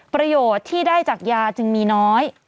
ประโยชน์ที่ได้จากยาจึงมีน้อย